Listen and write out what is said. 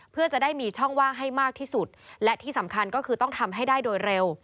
เพื่อจะได้มีช่องว่างให้มากที่สุดและที่สำคัญก็คือต้องทำให้ได้โดยเร็ว